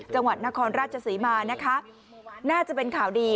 จังหวัดนครราชศรีมานะคะน่าจะเป็นข่าวดี